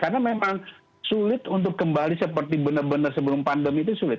karena memang sulit untuk kembali seperti benar benar sebelum pandemi itu sulit